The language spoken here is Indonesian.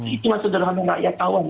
itu maksudnya rakyat awam